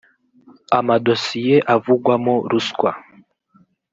amadosiye avugwamo ruswa